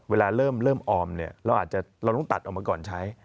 เวลาเริ่มออมเราอาจจะตัดออกมาก่อนใช้